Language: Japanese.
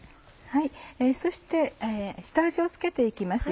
そして下味を付けて行きます。